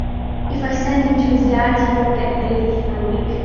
If I send him to his Dad’s he won’t get bathed for a week.